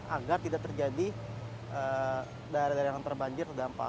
agar tidak terjadi daerah daerah yang terbanjir terdampak